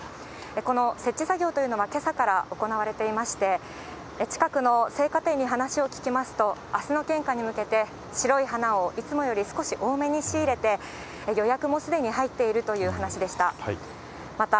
この設置作業というのは、けさから行われていまして、近くの生花店に話を聞きますと、あすの献花に向けて、白い花をいつもより少し多めに仕入れて、予約もすでに入っているという話でした。